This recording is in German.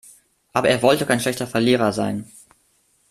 Aber er wollte kein schlechter Verlierer sein.